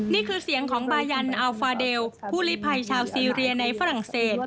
นี่คือเสียงของบายันอัลฟาเดลผู้ลิภัยชาวซีเรียในฝรั่งเศส